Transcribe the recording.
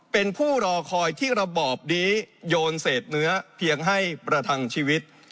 เป็นผู้รอคอยที่ระบอบนี้โยนเศษเนื้อเพียงให้ประทังชีวิต